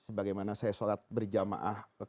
sebagaimana saya sholat berjamaah ketiga tahajud